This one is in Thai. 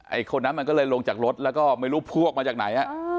คนนั้นมันก็เลยลงจากรถแล้วก็ไม่รู้พวกมาจากไหน